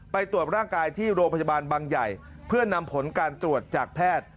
ไปตรวจร่างกายที่โรงพยาบาลบางใหญ่เพื่อนำผลการตรวจจากแพทย์